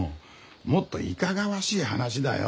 もっといかがわしい話だよ。